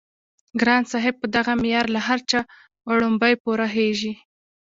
ګران صاحب په دغه معيار له هر چا وړومبی پوره خيژي